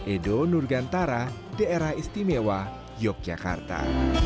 edo nurgantara daerah istimewa yogyakarta